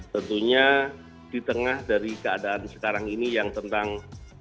tentunya di tengah dari keadaan sekarang ini yang tentang